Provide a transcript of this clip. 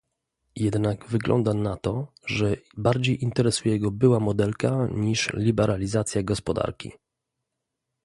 Jednak wygląda na to, że bardziej interesuje go była modelka niż liberalizacja gospodarki